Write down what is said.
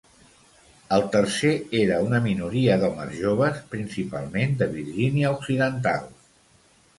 El tercer era una minoria d'homes joves principalment de Virgínia Occidental.